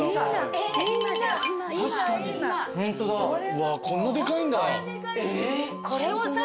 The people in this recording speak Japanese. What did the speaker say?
うわっこんなでかいんだ。